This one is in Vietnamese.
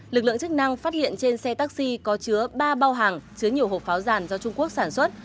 lực lượng chức năng phát hiện trên xe taxi có chứa ba bao hàng chứa nhiều hộp pháo giàn do trung quốc sản xuất